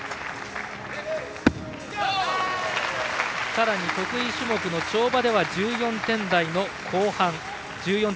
さらに得意種目の跳馬では１４点台の後半。１４．６６６。